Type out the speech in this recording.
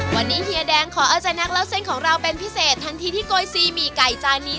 วันนี้เฮียแดงขอเอาใจนักเล่าเส้นของเราเป็นพิเศษทันทีที่โกยซีหมี่ไก่จานนี้